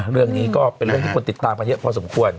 เรื่องนี้ก็เป็นเรื่องที่คนติดตามกันเยอะพอสมควร